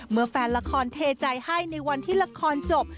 แฟนละครเทใจให้ในวันที่ละครจบ